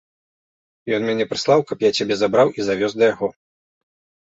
Ён мяне прыслаў, каб я цябе забраў і завёз да яго.